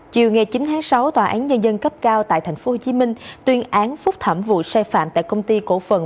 chiều ngày chín tháng sáu tòa án nhân dân cấp cao tại tp hcm tuyên án phúc thẩm vụ sai phạm tại công ty cổ phần